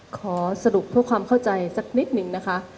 ขอสรุปเพื่อความเข้าใจสักนิดนึงนะคะ